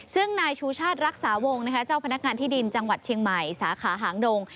ซึ่งนายชูชาติรักษาวงเจ้าพนักงานที่ดินจังหวัดเชียงใหม่สาขาหางดง